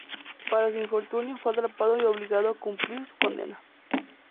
Para su infortunio fue atrapado y obligado a cumplir su condena.